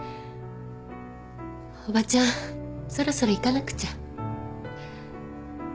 おばちゃんそろそろ行かなくちゃ。